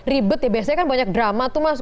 ribet ya biasanya kan banyak drama tuh mas